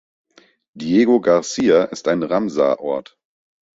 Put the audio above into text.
Diego Garcia ist ein Ramsar-Ort.